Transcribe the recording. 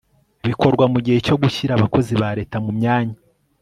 bikorwa mu gihe cyo gushyira abakozi ba leta mu myanya